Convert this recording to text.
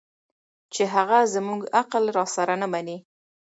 چې هغه زموږ عقل راسره نه مني